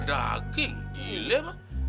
darah daging gile pak